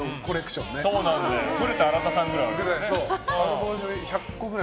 古田新太さんぐらい。